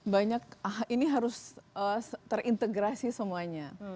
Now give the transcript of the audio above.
banyak ini harus terintegrasi semuanya